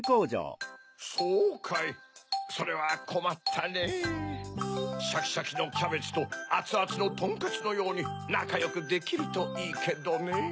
・そうかいそれはこまったねぇ・シャキシャキのキャベツとアツアツのとんかつのようになかよくできるといいけどねぇ。